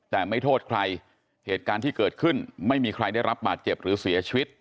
แต่ไม่โทษใครเหตุการณ์ที่เกิดขึ้นไม่มีใครได้รับบาดเจ็บหรือเสียชีวิต